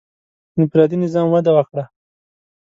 • انفرادي نظام وده وکړه.